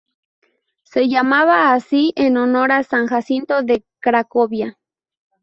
Se llama así en honor a San Jacinto de Cracovia.